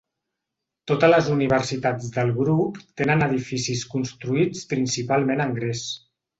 Totes les universitats del grup tenen edificis construïts principalment en gres.